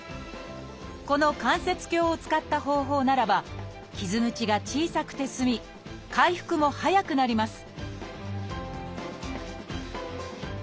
この関節鏡を使った方法ならば傷口が小さくて済み回復も早くなります